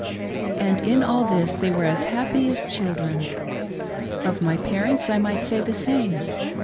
And in all this they were as happy as children. Of my parents I might say the same.